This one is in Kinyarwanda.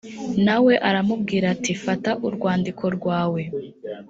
na we aramubwira ati fata urwandiko rwawe